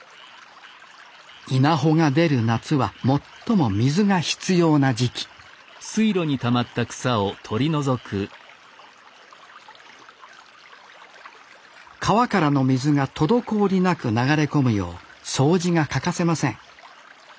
稲穂が出る夏は最も水が必要な時期川からの水が滞りなく流れ込むよう掃除が欠かせません